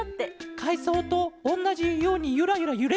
かいそうとおんなじようにゆらゆらゆれて。